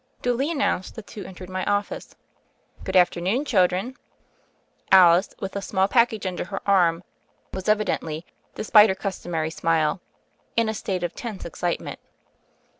Duly announced, the two entered my office. "Good afternoon, children." Alice, with a small package under her arm, was evidently, despite her customary smile, in a state of tense excitement.